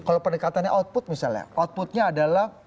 kalau pendekatannya output misalnya outputnya adalah